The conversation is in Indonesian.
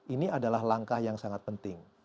ini adalah langkah yang sangat penting